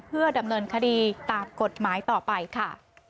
เพื่อดำเนินคดีตามกฎหมายต่อไปค่ะ